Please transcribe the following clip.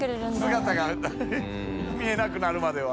姿が見えなくなるまでは。